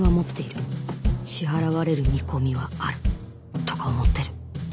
「支払われる見込みはある」とか思ってる